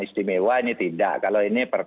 istimewa ini tidak kalau ini